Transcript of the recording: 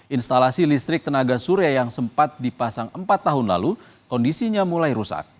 instalasi listrik tenaga surya yang sempat dipasang empat tahun lalu kondisinya mulai rusak